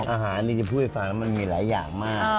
อาหารนี่จะพูดให้ฟังแล้วมันมีหลายอย่างมาก